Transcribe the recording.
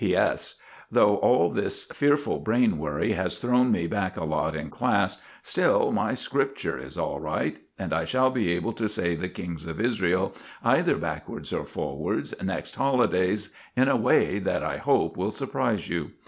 "P.S.—Though all this fearful brain worry has thrown me back a lot in class, still my Scripture is all right, and I shall be able to say the Kings of Israel, either backwards or forwards, next holidays, in a way that, I hope, will surprise you.